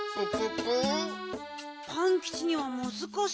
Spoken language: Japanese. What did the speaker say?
パンキチにはむずかしいかなあ。